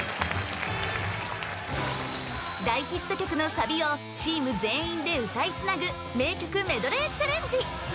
大ヒット曲のサビをチーム全員で歌いつなぐ名曲メドレーチャレンジ！